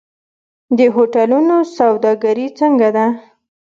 د هوټلونو سوداګري څنګه ده؟